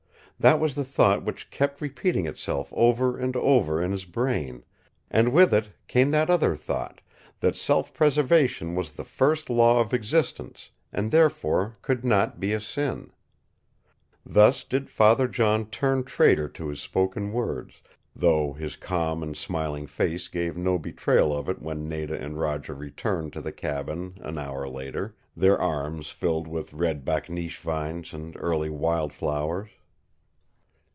That was the thought which kept repeating itself over and over in his brain, and with it came that other thought, that self preservation was the first law of existence, and therefore could not be a sin. Thus did Father John turn traitor to his spoken words, though his calm and smiling face gave no betrayal of it when Nada and Roger returned to the cabin an hour later, their arms filled with red bakneesh vines and early wildflowers.